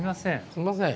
すみません。